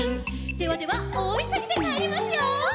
「ではではおおいそぎでかえりますよ」